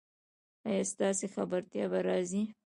ایا ستاسو خبرتیا به راځي؟